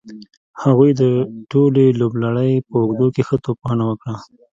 هغوی د ټولې لوبلړۍ په اوږدو کې ښه توپ وهنه وکړه.